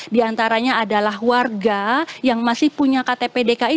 di antaranya adalah warga yang masih punya ktp dki